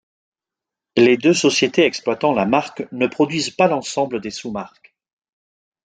Les deux sociétés exploitant la marque ne produisent pas l'ensemble des sous-marques.